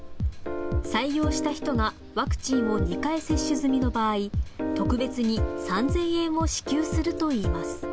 採用した人がワクチンを２回接種済みの場合、特別に３０００円を支給するといいます。